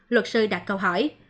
luật sư đặt câu hỏi